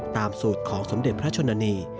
ตามสูตรของสมเด็จพระชนนี